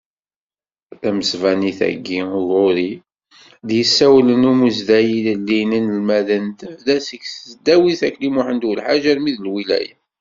Tamesbanit-agi uɣur i d-yessawel Umazday ilelli n yinelmaden, tebda seg tesdawit Akli Muḥend Ulḥaǧ armi d lwilaya.